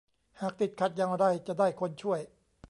หากติดขัดอย่างไรจะได้คนช่วย